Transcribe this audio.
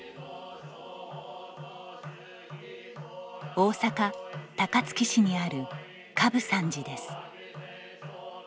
大阪・高槻市にある神峯山寺です。